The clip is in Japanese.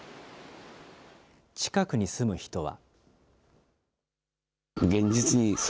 近くに住む人は。